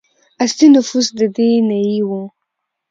اصلي نفوس د دې نیيي وو.